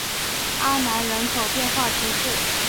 阿南人口变化图示